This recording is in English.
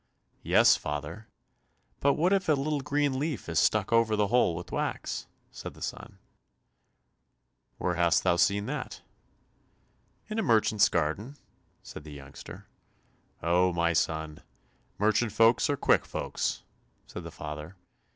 "Yes, father, but what if a little green leaf is stuck over the hole with wax?" said the son. "Where hast thou seen that?" "In a merchant's garden," said the youngster. "Oh, my son, merchant folks are quick folks," said the father.